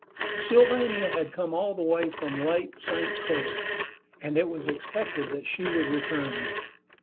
The Sylvania had come all the way from Lake St. Clair, and it was expected that she would return there.